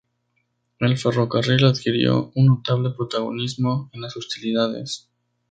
El ferrocarril adquirió un notable protagonismo en las hostilidades.